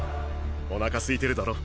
お腹すいてるだろ。